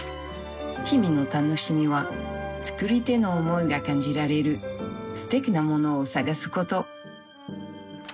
日々の楽しみは作り手の思いが感じられるすてきなものを探すこと。